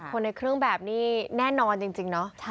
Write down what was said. ในเครื่องแบบนี้แน่นอนจริงเนาะ